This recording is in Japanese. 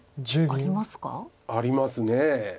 ありますか。